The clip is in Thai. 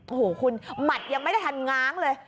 โอ้โฮหุ้วมัดยังไม่ได้ทางงางเลย